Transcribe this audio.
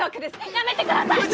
やめてください！